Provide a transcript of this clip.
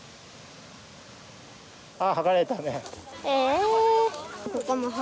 ああはがれたね。